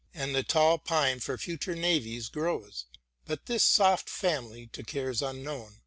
And the tall fine for future navies grows ; But this soft family, to cares unknown.